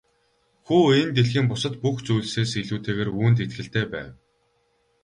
Хүү энэ дэлхийн бусад бүх зүйлсээс илүүтэйгээр үүнд итгэлтэй байв.